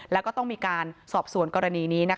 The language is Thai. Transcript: แล้วก็ต้องมีการสอบสวนกรณีนี้